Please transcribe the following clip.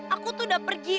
aku tuh udah pergi